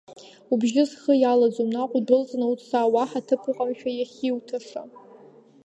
Убжьы схы иалаӡом, наҟ удәылҵны уца, уаҳа ҭыԥ ыҟамшәа иахьуҭиша…